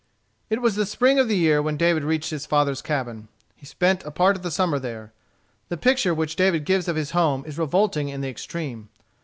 It was the spring of the year when David reached his father's cabin. He spent a part of the summer there. The picture which David gives of his home is revolting in the extreme.